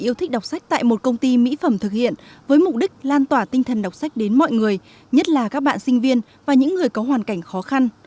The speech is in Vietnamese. điều thích đọc sách tại một công ty mỹ phẩm thực hiện với mục đích lan tỏa tinh thần đọc sách đến mọi người nhất là các bạn sinh viên và những người có hoàn cảnh khó khăn